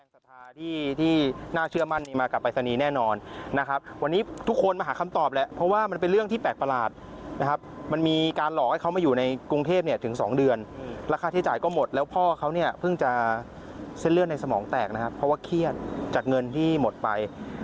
เส้นเลือดในสมองแตกนะครับเพราะว่าเครียดจัดเงินที่หมดไป